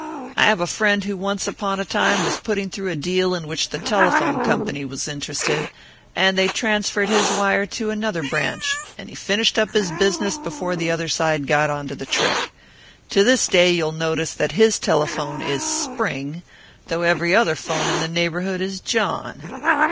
I have a friend who once upon a time was putting through a deal in which the telephone company was interested, and they transferred his wire to another branch, and he finished up his business before the other side got on to the trick. To this day you'll notice that his telephone is 'Spring,' though every other 'phone in the neighbourhood is 'John.'"